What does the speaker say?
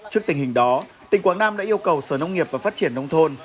trước tình hình đó tỉnh quảng nam đã yêu cầu sở nông nghiệp và phát triển nông thôn